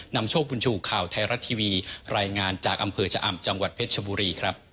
นำโชคบุญชูข่าวไทยรัฐทีวีรายงานจากอำเภอชะอำจังหวัดเพชรชบุรีครับ